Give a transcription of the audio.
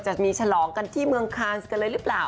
จะมีฉลองกันที่เมืองคานส์กันเลยหรือเปล่า